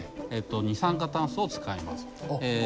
二酸化炭素を使います。